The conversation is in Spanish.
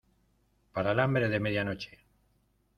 para el hambre de medianoche.